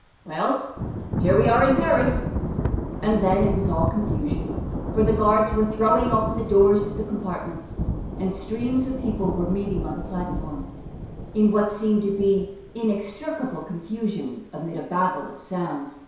Well, here we are in Paris!" And then it was all confusion, for the guards were throwing open the doors to the compartments, and streams of people were meeting on the platform, in what seemed to be inextricable confusion amid a babel of sounds.